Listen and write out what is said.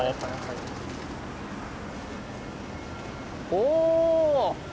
おお！